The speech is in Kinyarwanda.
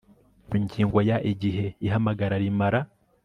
Ingingo ya Igihe ihamagara rimara